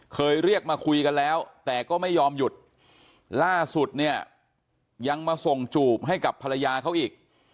เคยเรียกมาคุยกันแล้วแต่ก็ไม่ยอมหยุดล่าสุดเนี่ยยังมาส่งจูบให้กับภรรยาเขาอีก